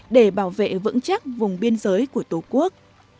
để bảo vệ vững chắc vùng biên giới của tổ quốc